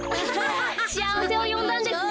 しあわせをよんだんですね。